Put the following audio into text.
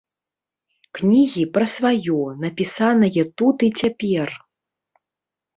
Кнігі пра сваё, напісанае тут і цяпер.